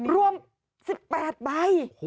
รวม๑๘ใบ